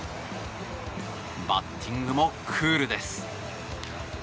バッティングもクールです。